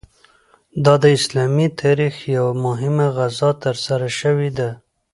دا د اسلامي تاریخ یوه مهمه غزا ترسره شوې ده.